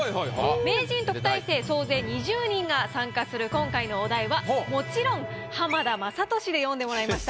名人特待生総勢２０人が参加する今回のお題はもちろん「浜田雅功」で詠んでもらいました。